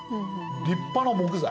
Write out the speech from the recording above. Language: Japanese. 立派な木材。